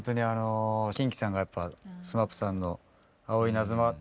ＫｉｎＫｉさんがＳＭＡＰさんの「青いイナズマ」。